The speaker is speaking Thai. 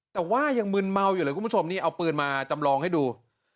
แต่ว่ายังมึนเมาอยู่เลยคุณผู้ชมนี่เอาปืนมาจำลองให้ดู